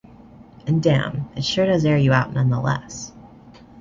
And damn, it sure does air you out nonetheless.